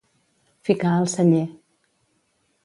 Ficar al celler.